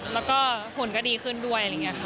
แล้วก็ผลก็ดีขึ้นด้วยอะไรอย่างนี้ค่ะ